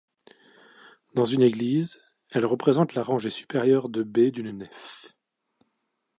Dans une église, elle représente la rangée supérieure de baies d’une nef.